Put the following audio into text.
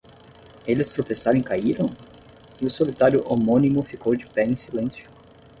Eles tropeçaram e caíram? e o solitário homónimo ficou de pé em silêncio.